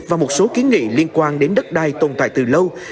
và một số kiến nghị liên quan đến đất đai tồn tại từ lâu